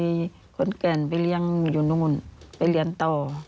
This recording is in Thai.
มีขอนแก่นไปเลี้ยงอยู่นู่นไปเรียนต่อ